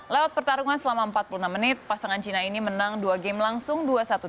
lewat pertarungan selama empat puluh enam menit pasangan cina ini menang dua game langsung dua satu delapan belas